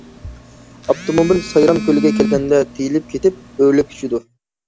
ئاپتوموبىل سايرام كۆلىگە كەلگەندە تېيىلىپ كېتىپ، ئۆرۈلۈپ چۈشىدۇ.